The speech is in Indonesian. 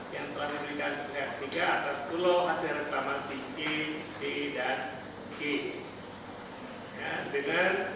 yang telah memberikan r tiga atas pulau hasil reklamasi c d dan g